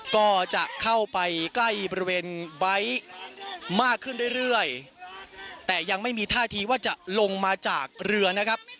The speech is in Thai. ก็จะเข้าไปใกล้บริเวณไบท์มากขึ้นเรื่อยเรื่อยแต่ยังไม่มีท่าทีว่าจะลงมาจากเรือนะครับ